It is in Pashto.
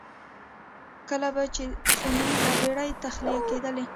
کله به چې خُمرې له بېړۍ تخلیه کېدلې